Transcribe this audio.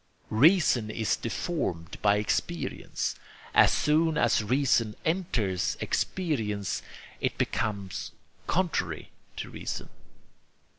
... Reason is deformed by experience. As soon as reason enters experience, it becomes contrary to reason."